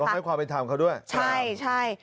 ต้องให้ความเป็นทางเขาด้วยใช่ใช่